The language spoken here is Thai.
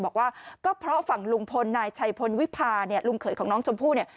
บอกว่าก็เพราะฝั่งลุงพลนายชัยพลวิพาเนี่ยลุงเขยของน้องชมพู่เนี่ย